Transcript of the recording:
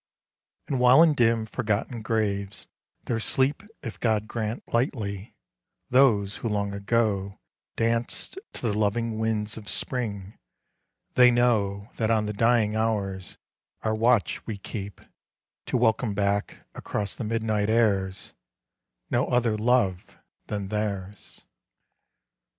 And while in dim forgotten graves there sleep If God grant, lightly, those who long ago Danced to the loving winds of spring, they know That on the dying hours our watch we keep To welcome back across the midnight airs No other love than theirs.